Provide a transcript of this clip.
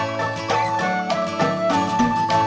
nggak ada yang servantsan